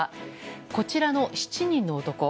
こちらの７人の男。